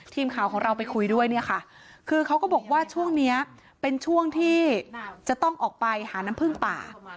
ทีมข่าวของเราไปคุยด้วยเนี่ยค่ะคือเขาก็บอกว่าช่วงนี้เป็นช่วงที่จะต้องออกไปหาน้ำพึ่งป่า